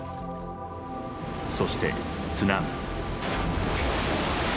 そして津波。